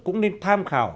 cũng nên tham khảo